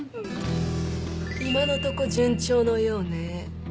今のとこ順調のようね。